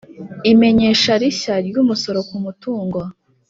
Imenyesha rishya ry umusoro k umutungo